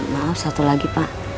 maaf satu lagi pak